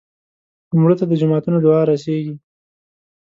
مړه ته د جوماتونو دعا رسېږي